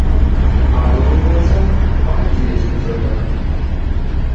Халық ұйғарса, хан түйесін сояр.